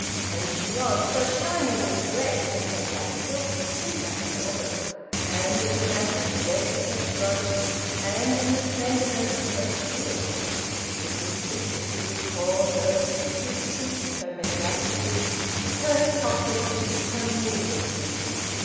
And she was so shiningly correct in her black silk and black velvet, and in the massive jet at her throat, and in the slenderness of her shoe! It was useless to recall her duplicities, her mendacities, her hypocrisies, her meannesses.